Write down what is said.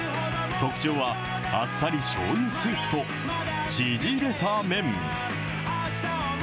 特徴は、あっさりしょうゆスープと、縮れた麺。